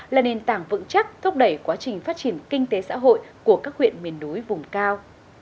là nền tảng vững chắc thúc đẩy quá trình phát triển kinh tế xã hội của các huyện miền núi vùng cao